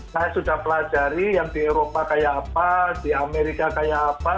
saya sudah pelajari yang di eropa kayak apa di amerika kayak apa